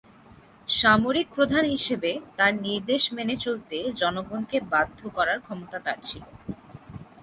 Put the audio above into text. সামরিক প্রধান হিসেবে তার নির্দেশ মেনে চলতে জনগণকে বাধ্য করার ক্ষমতা তার ছিল।